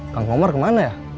kang omar kemana ya